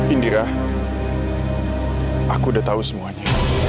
indira aku udah tahu semuanya